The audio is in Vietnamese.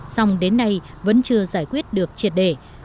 song đến nay vẫn chưa giải quyết được triệt đề